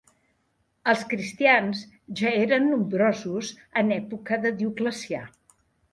Els cristians ja eren nombrosos en època de Dioclecià.